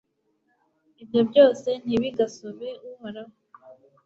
Ibyo byose ntibigasobe Uhoraho